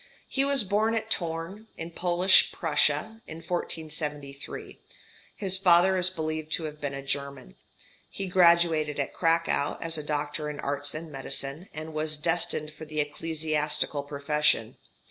He was born at Thorn, in Polish Prussia, in 1473. His father is believed to have been a German. He graduated at Cracow as doctor in arts and medicine, and was destined for the ecclesiastical profession.